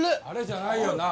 「あれ？」じゃないよ。